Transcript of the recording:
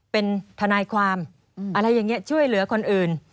เป็นทนายความอะไรอย่างนี้ช่วยเหลือคนอื่น